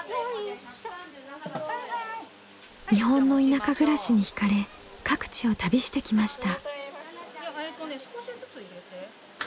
日本の田舎暮らしに惹かれ各地を旅してきました。